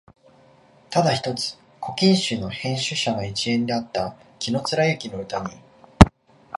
ただ一つ「古今集」の編集者の一員であった紀貫之の歌に、